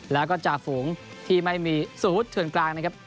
แล้วก็จ่าฝูงที่ไม่มีสูตรเถื่อนกลางนะครับ